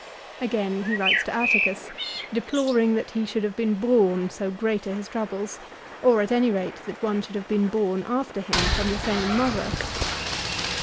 l Again, he writes to Atticus, deploring that he should have been born, so great are his troubles, or at any rate that one should have been born after him from the same mother.